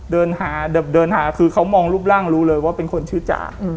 เดินหาเดินหาคือเขามองรูปร่างรู้เลยว่าเป็นคนชื่อจ๋า